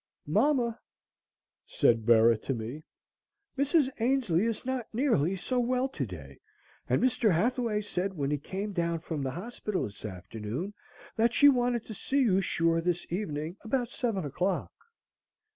"MAMA," said Bera to me, "Mrs. Ainslee is not nearly so well today, and Mr. Hathaway said when he came down from the hospital this afternoon that she wanted to see you sure this evening about seven o'clock."